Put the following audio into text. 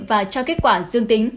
và cho kết quả dương tính